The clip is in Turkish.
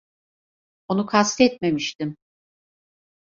Onu kastetmemiştim.